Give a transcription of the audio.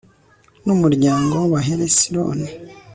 n'umuryango w abahesironi